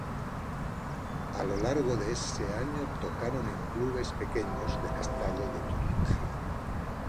A lo largo de ese año tocaron en clubes pequeños del estado de Turingia.